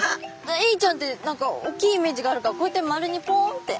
エイちゃんって何か大きいイメージがあるからこうやって丸にポンって。